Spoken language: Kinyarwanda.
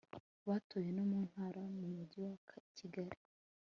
batoye no mu ntara numujyi wa kigali